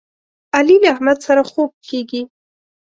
علي له احمد سره خوږ کېږي.